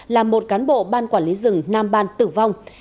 làm một cán bộ ban quản lý rừng nam ban tử vong